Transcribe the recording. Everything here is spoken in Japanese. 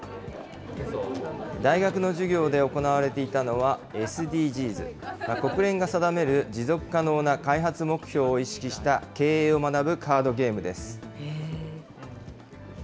大学の授業で行われていたのは、ＳＤＧｓ・国連が定める持続可能な開発目標を意識した経営を学ぶカードゲームです。